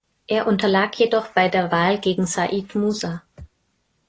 Er unterlag jedoch bei der Wahl gegen Said Musa.